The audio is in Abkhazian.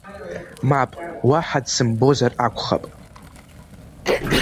Мап, уаҳа дсымбозар акәхап…